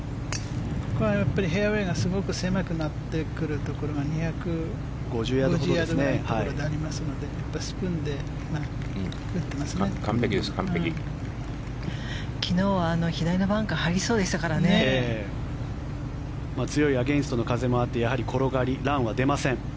やっぱりフェアウェーがすごく狭くなっているところが２５０ヤードぐらいのところでありますのでスプーンで打ってますね。